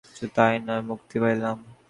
শুধু তাই নয়, তাহার মনে হইল, যেন মুক্তি পাইলাম।